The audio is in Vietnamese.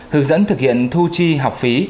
hướng dẫn thực hiện thu chi học phí